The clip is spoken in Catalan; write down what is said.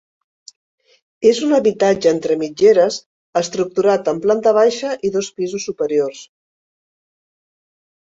És un habitatge entre mitgeres estructurat en planta baixa i dos pisos superiors.